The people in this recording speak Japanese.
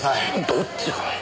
どっちが。